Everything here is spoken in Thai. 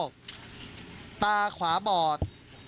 คือว่าตาขวาบอด